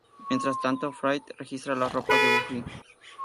Mientras tanto, Faith registra las ropas de Buffy.